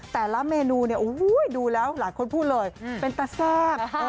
แต่ละเมนูอยู่แล้วหลายคนพูดเลยเป็นตะสวก